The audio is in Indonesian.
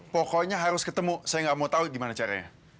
pokoknya harus ketemu saya gak mau tau gimana caranya